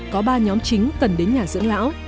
có ba nhóm chính cần đến nhà dưỡng lão